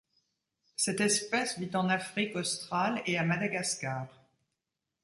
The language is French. Cette espèce vit en Afrique australe et à Madagascar.